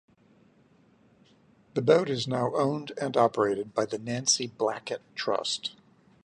The boat is now owned and operated by The Nancy Blackett Trust.